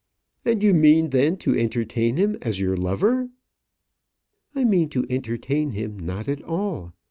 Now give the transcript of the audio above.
"And you mean, then, to entertain him as your lover?" "I mean to entertain him not at all.